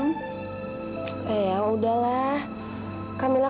yang mana yg bisa jadi juga karena misi saya